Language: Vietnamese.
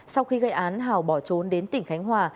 sau khi gây án hào bỏ trốn đến tỉnh khánh hòa